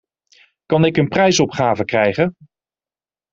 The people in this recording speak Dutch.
Kan ik een prijsopgave krijgen?